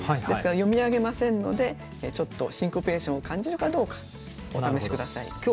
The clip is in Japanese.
ですから読み上げませんのでちょっとシンコペーションを感じるかどうかお試し下さい。